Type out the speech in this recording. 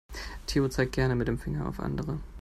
Theo zeigt gerne mit dem Finger auf andere.